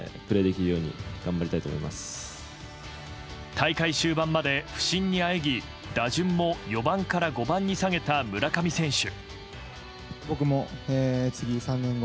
大会終盤まで不振にあえぎ打順も４番から５番に下げた村上選手。